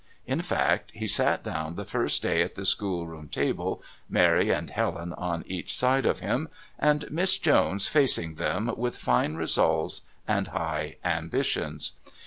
In fact, he sat down the first day at the schoolroom table, Mary and Helen on each side of him, and Miss Jones facing them, with fine resolves and high ambitions.